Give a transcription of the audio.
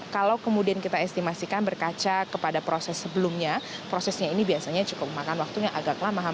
kalau kemudian kita estimasikan berkaca kepada proses sebelumnya prosesnya ini biasanya cukup memakan waktu yang agak lama